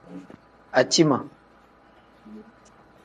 Aciima.